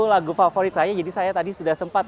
lagu favorit saya jadi saya tadi sudah sempat